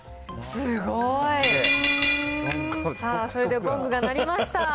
すごい！それではゴングが鳴りました。